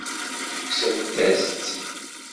Kksent-as-tt.